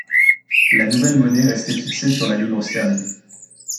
La nouvelle monnaie restait fixée sur la livre sterling.